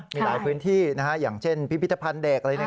มีหลายพื้นที่นะฮะอย่างเช่นพิพิธภัณฑ์เด็กอะไรอย่างนี้